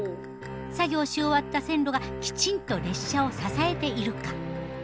作業をし終わった線路がきちんと列車を支えているか。